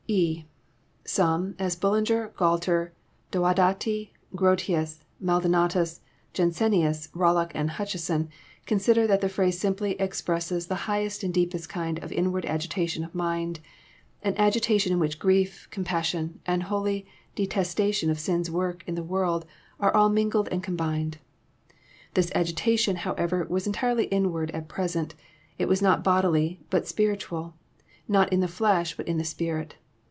(e) Some, as Ballinger, Gualter, Diodati, Grotius, Maldona tus, Jansenius, Bollock, and Hutcheson, consider that the phrase simply expresses the highest and deepest kind of inward agitation of mind, an agitation in which grief, compassion, and holy detestation of sin's work in the world were all mingled and combined. This agitation, however, was entirely inward at present : it was not bodily, but spiritual ; not in the flesh, but in the spirit.